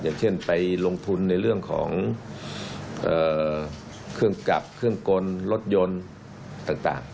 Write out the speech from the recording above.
อย่างเช่นไปลงทุนในเรื่องของเครื่องกลับเครื่องกลรถยนต์ต่าง